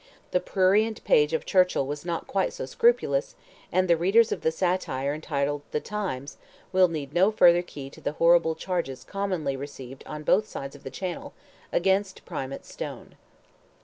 The prurient page of Churchill was not quite so scrupulous, and the readers of the satire entitled "The Times," will need no further key to the horrible charges commonly received on both sides of the channel, against Primate Stone.